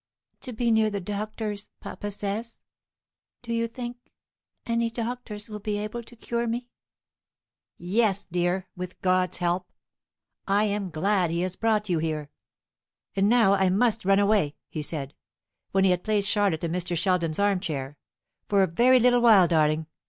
To be near the doctors, papa says. Do you think any doctors will be able to cure me?" "Yes, dear, with God's help. I am glad he has brought you here. And now I must run away," he said; when he had placed Charlotte in Mr. Sheldon's arm chair, "for a very little while, darling.